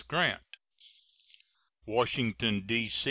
GRANT. WASHINGTON, D.